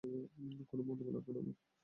কোনো মন্তব্য লাগবে না আমার, নাকি?